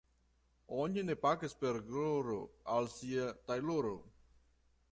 Oni ne pagas per gloro al sia tajloro.